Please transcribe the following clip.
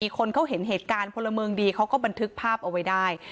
คนเขาเห็นเหตุการณ์พลเมืองดีเขาก็บันทึกภาพเอาไว้ได้